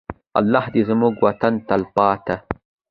الله دې زموږ وطن ته تلپاته.